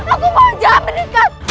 aku mau jalan mendekat